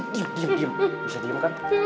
diam diam bisa diam kan